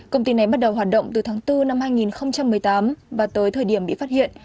công ty này bắt đầu hoạt động từ tháng bốn năm hai nghìn một mươi tám và tới thời điểm bị phát hiện